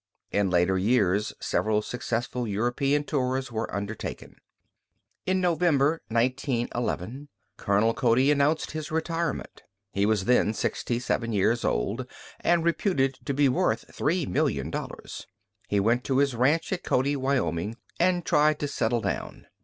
In later years several successful European tours were undertaken. In November, 1911, Colonel Cody announced his retirement. He was then sixty seven years old and reputed to be worth $3,000,000. He went to his ranch at Cody, Wyoming, and tried to settle down.